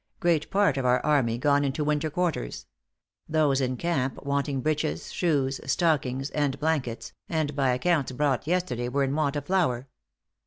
Great part of our army gone into winter quarters; those in camp wanting breeches, shoes, stockings [and] blankets, and by accounts brought yesterday, were in want of flour.".